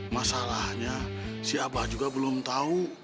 masalahnya si abah juga belum tahu